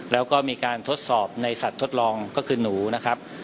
แล้วก็มีการทดสอบในสัตว์ทดลองก็คือหนูนะครับ